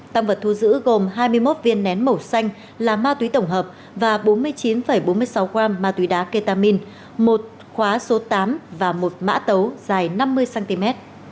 tăng vật thu giữ gồm hai mươi một viên nén màu xanh là ma túy tổng hợp và bốn mươi chín bốn mươi sáu gram ma túy đá ketamin một khóa số tám và một mã tấu dài năm mươi cm